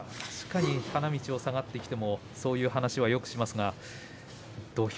花道を下がってきてもそういう話をよくします。